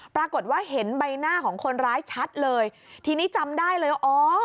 ปรากฏว่าเห็นใบหน้าของคนร้ายชัดเลยทีนี้จำได้เลยว่าอ๋อ